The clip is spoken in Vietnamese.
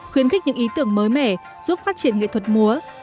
khuyến khích những ý tưởng mới mẻ giúp phát triển nghệ thuật múa